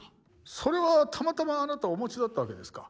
それはたまたまあなたお持ちだったわけですか？